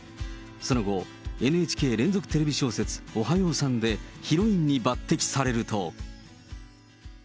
その後、ＮＨＫ連続テレビ小説、おはようさんでヒロインに抜てきされると。